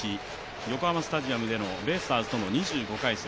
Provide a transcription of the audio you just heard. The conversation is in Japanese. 横浜スタジアムでのベイスターズとの２５回戦。